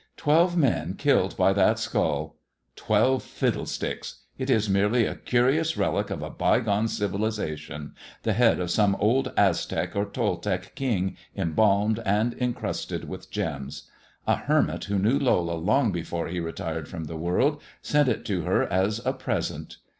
Twebe men killed by that skull ! Twelve fiddlesticks : it is merely a curious relic of a by gone civilization : the head of old Aztec or Toltec king embalmed and encrusted with gems. A hermit who knew Lola long before he relaxed from the world sent it to her as a present."